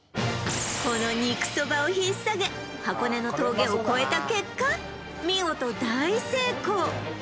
この肉そばをひっさげ箱根の峠を越えた結果見事大成功